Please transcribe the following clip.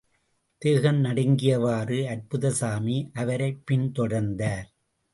தேகம் நடுங்கியவாறு, அற்புதசாமி அவரைப்பின் தொடர்ந்தார்.